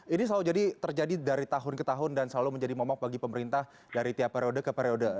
ini selalu jadi terjadi dari tahun ke tahun dan selalu menjadi momok bagi pemerintah dari tiap periode ke periode